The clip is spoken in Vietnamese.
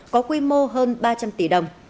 có quy mô hơn ba trăm linh tỷ đồng